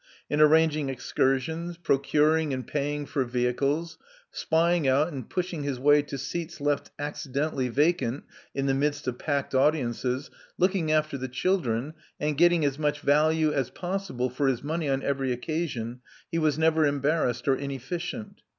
In arranging excursions, 285 286 Love Among the Artists procuring and paying for vehicles, spying out and pushing his way to seats left accidentally vacant in the midst of packed audiences, looking after the children, and getting as much value as possible for his money on every occasion, he was never embarrassed or ineflScient.